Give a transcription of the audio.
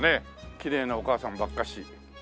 きれいなお母さんばっかし。